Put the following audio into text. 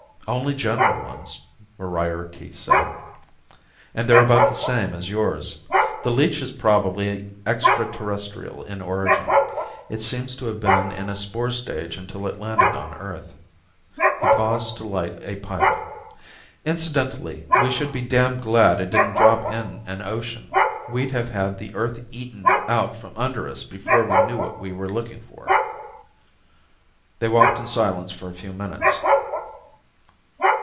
"Only general ones," Moriarty said, "and they're about the same as yours. The leech is probably extraterrestrial in origin. It seems to have been in a spore stage until it landed on Earth." He paused to light a pipe. "Incidentally, we should be damned glad it didn't drop in an ocean. We'd have had the Earth eaten out from under us before we knew what we were looking for." They walked in silence for a few minutes.